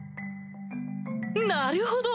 なるほど！